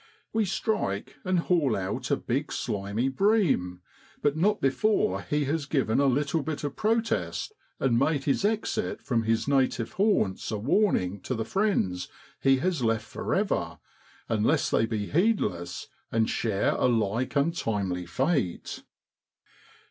We strike, and haul out a big slimy bream, but not before he has given a little bit of protest, and made his exit from his native haunts a warning to the friends he has left for ever, unless they be heedless, and share a like untimely fate.